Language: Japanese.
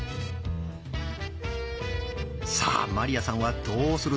さあ鞠杏さんはどうする？